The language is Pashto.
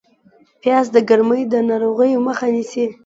پیاز د ګرمۍ د ناروغیو مخه نیسي